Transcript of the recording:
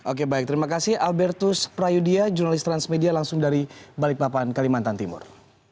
oke baik terima kasih albertus prayudya jurnalis transmedia langsung dari balikpapan kalimantan timur